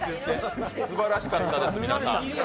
すばらしかったです、皆さん。